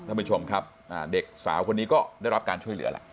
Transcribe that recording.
ท่านผู้ชมครับเด็กสาวคนนี้ก็ได้รับการช่วยเหลือแล้ว